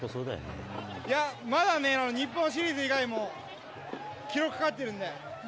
いや、まだね、日本シリーズ以外も、記録かかってるんで。